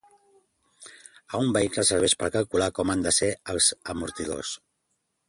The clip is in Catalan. A un vehicle serveix per calcular com han de ser els amortidors.